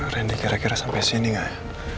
randy kira kira sampai sini gak ya